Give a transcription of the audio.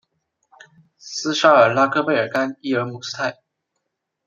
斯沙尔拉克贝尔甘伊尔姆斯泰。